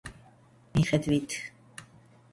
მიხედვით